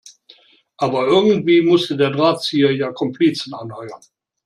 Aber irgendwie musste der Drahtzieher ja Komplizen anheuern.